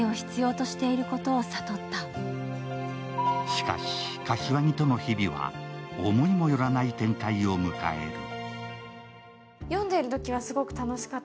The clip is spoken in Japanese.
しかし、柏木との日々は思いもよらない展開を迎える。